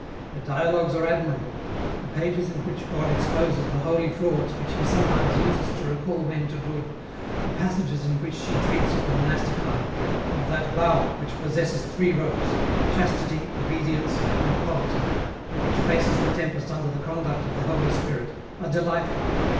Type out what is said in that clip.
Her Dialogues are admirable ; the pages in which God exposes the holy frauds which He sometimes uses to recall men to good, the passages in which she treats of the monastic life, of that barque which possesses three ropes : chastity, obedience, and poverty, and which faces the tempest under the conduct of the Holy Spirit, are delightful.